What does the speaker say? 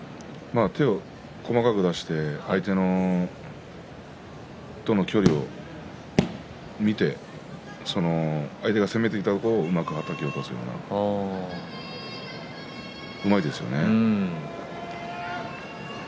手を細かく出して相手との距離を見て相手が攻めてきたところを起こす、うまいですよね。